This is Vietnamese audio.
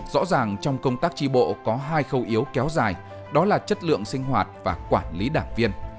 rõ ràng trong công tác tri bộ có hai khâu yếu kéo dài đó là chất lượng sinh hoạt và quản lý đảng viên